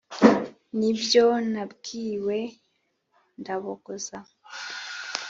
n’ibyo nabwiwe ndabogoza.